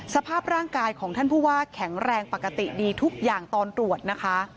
สภาพร่างกายของท่านผู้ว่าแข็งแรงปกติดีทุกอย่างตอนตรวจนะคะ